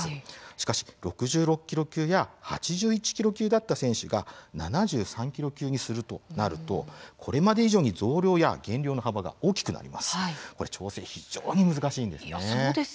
しかし、６６キロ級や８１キロ級だった選手が７３キロ級にするとなるとこれまで以上に増量や減量の幅が大きくなるので調整は非常に難しいんです。